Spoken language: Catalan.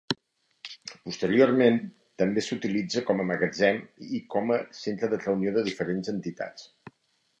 Posteriorment, també s'utilitza com a magatzem i com a centre de reunió de diferents entitats.